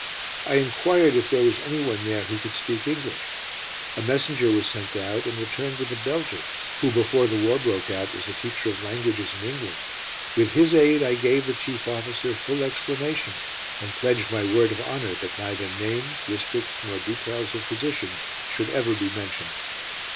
I enquired if there was anyone there who could speak English. A messenger was sent out and returned with a Belgian, who before the war broke out was a teacher of languages in England. With his aid I gave the chief officer full explanation, and pledged my word of honour that neither names, districts, nor details of positions should ever be mentioned.